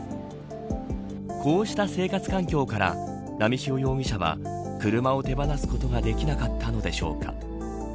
こうした生活環境から波汐容疑者は車を手放すことができなかったのでしょうか。